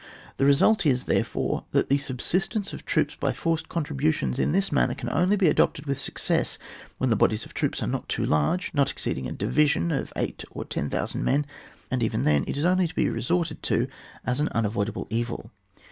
The result is, therefore, that the sub sistence of troops by forced contributions in this manner can only be adopted with success when the bodies of troops are not too large, not exceeding a division of 8,000 or 10,000 men, and even then it is only to be resorted to as an imavoidable evil.